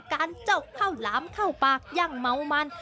การจกข้าวหลามเข้าปากอย่างเม้ามัน